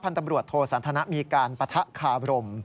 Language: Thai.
พันธบรวจโทสันธนะมีการปะทะคาบลม